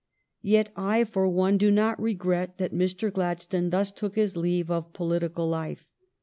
Yet I for one do not regret that Mr. Gladstone thus took his leave of political life.